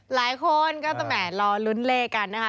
หลายคนก็แห่รอลุ้นเลขกันนะคะ